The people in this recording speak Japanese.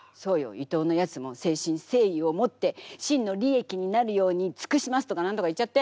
伊藤のやつも誠心誠意を持って清のりえきになるようにつくしますとか何とか言っちゃって！